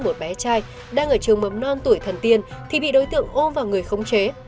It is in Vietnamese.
một bé trai đang ở trường mầm non tuổi thần tiên thì bị đối tượng ô vào người khống chế